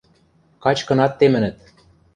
Качкынат темӹнӹт.